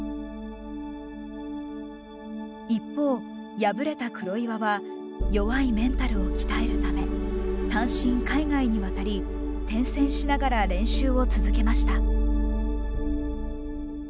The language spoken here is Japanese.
一方敗れた黒岩は弱いメンタルを鍛えるため単身海外に渡り転戦しながら練習を続けました。